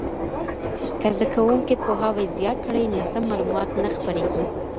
که زده کوونکي پوهاوی زیات کړي، ناسم معلومات نه خپرېږي.